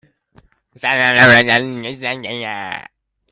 Chunlai hrawngah kan hung phan te lai.